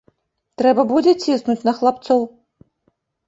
Трэба будзе ціснуць на хлапцоў.